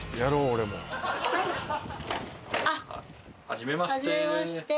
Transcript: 初めまして。